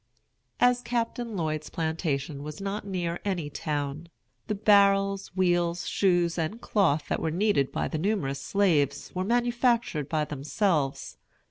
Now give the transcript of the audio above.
As Colonel Lloyd's plantation was not near any town, the barrels, wheels, shoes, and cloth that were needed by the numerous slaves were manufactured by themselves.